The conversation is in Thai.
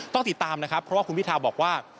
ต้องติดตามนะครับเพราะว่าคุณพิทาบอกว่า